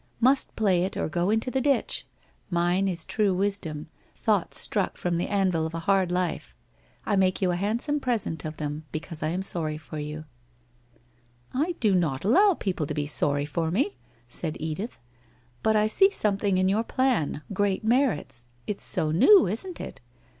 Must play it, or go into the ditch. Mine is true wisdom — thoughts struck from the avil of a hard life. I make you a handsome present of them, because I am sorry for you/ ' I do not allow people to be sorry for me,' said Edith. c But I see something in your plan — great merits — it's so new, isn't it?